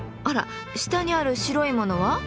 あら下にある白いものは？